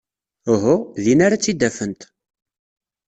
Uhu. Din ara tt-id-afent.